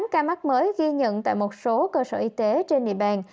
tám ca mắc mới ghi nhận tại một số cơ sở y tế trên địa bàn